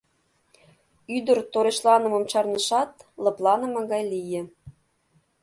Ӱдыр торешланымым чарнышат, лыпланыме гай лие.